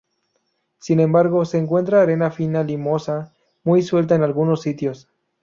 Sin embargo, se encuentra arena fina limosa, muy suelta en algunos sitios.